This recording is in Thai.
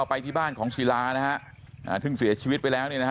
ไปที่บ้านของศิลานะฮะซึ่งเสียชีวิตไปแล้วเนี่ยนะฮะ